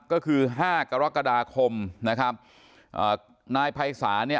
ก็คือ๕กรกฎาคมนะครับนายภัยศาสตร์เนี่ย